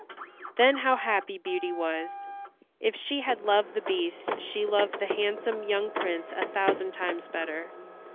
Then how happy Beauty was. If she had loved the Beast she loved the handsome young Prince a thousand times better.